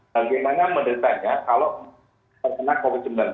bagaimana mendetanya kalau terkena covid sembilan belas